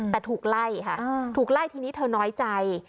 แต่ถูกไล่ค่ะถูกไล่ทีนี้เธอน้อยใจ